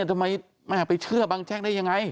ทำไมไม่พยายามไปเชื่อบังแจ๊กได้ยังไง